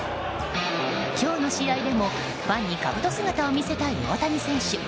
今日の試合でも、ファンにかぶと姿を見せたい大谷選手。